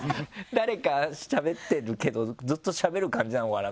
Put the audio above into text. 誰かしゃべってるけどずっとしゃべる感じなのかな？